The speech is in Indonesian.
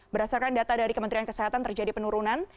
berdasarkan data dari kementerian kesehatan terjadi penurunan